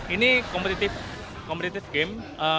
ini kompetitif game